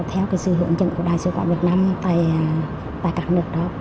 theo sự hướng dẫn của đại sứ quán việt nam tại các nước đó